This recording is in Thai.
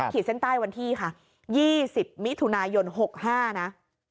ขีดเส้นใต้วันที่ค่ะ๒๐มิถุนายน๖๕นะ